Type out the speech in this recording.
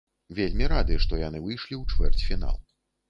Вельмі рады, што яны выйшлі ў чвэрцьфінал.